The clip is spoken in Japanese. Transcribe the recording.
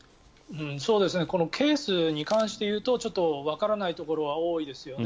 このケースに関していうとちょっとわからないところは多いですよね。